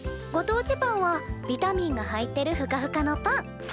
ご当地パンはビタミンが入ってるふかふかのパン。